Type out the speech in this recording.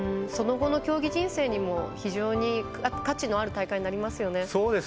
その後の競技人生にも非常に価値のある大会になりますよね。